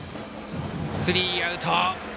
スリーアウト。